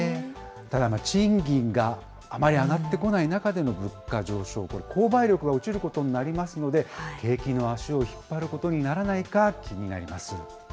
ただまあ、賃金があまり上がってこない中での物価上昇、これ、購買力が落ちることになりますので、景気の足を引っ張ることにならないか、気になります。